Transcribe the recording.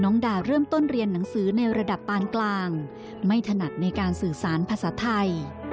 ดาเริ่มต้นเรียนหนังสือในระดับปานกลางไม่ถนัดในการสื่อสารภาษาไทย